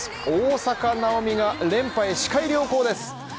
大坂なおみが連覇へ視界良好です